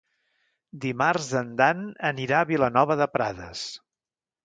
Dimarts en Dan anirà a Vilanova de Prades.